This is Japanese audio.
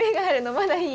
まだいい？